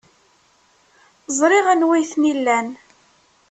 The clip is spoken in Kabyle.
Ẓriɣ anwa ay ten-ilan.